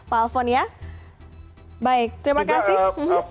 pajak juga ya pak alvon ya baik terima kasih